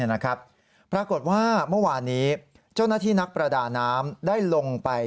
ปรากฏว่าเมื่อวานนี้เจ้าหน้าที่นักประดาน้ำได้ลงไป